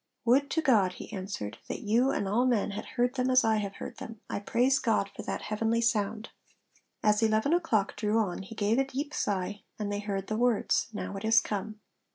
'Would to God,' he answered, 'that you and all men had heard them as I have heard them; I praise God for that heavenly sound.' As eleven o'clock drew on he gave a deep sigh, and they heard the words, 'Now it is come.'